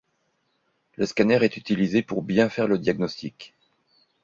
Le scanner est utilisé pour bien faire le diagnostic.